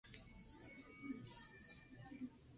En esa revista posó con la camiseta de Lionel Messi.